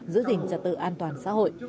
giữ gìn trật tự an toàn xã hội